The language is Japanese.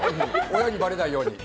親にバレないように。